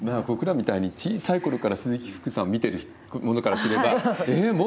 僕らみたいに小さいころから鈴木福さんを見ている者からすれば、ええ？